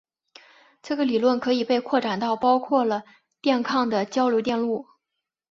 这个理论可以被扩展到包括了电抗的交流电路。